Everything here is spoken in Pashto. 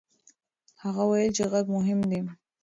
هغه وویل چې غږ مهم دی.